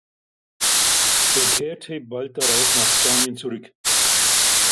Er kehrte bald darauf nach Spanien zurück.